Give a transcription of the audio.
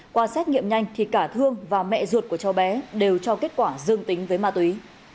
qua xét nghiệm nhanh thì cả thương và mẹ ruột của cháu bé đều cho kết quả dương tính với ma túy